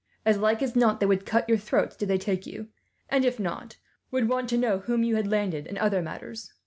As like as not they would cut your throats, did they take you; and if not, would want to know whom you had landed, and other matters.